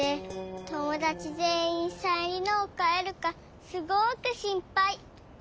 ともだちぜんいんサイン入りのをかえるかすごくしんぱい。